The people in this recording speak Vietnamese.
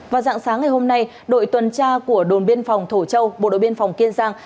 vào dạng sáng ngày hôm nay đội tuần tra của đồn biên phòng thổ châu bộ đội biên phòng kiên giang